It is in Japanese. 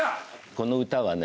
この歌はね